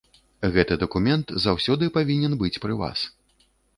Гэты дакумент заўсёды павінен быць пры вас.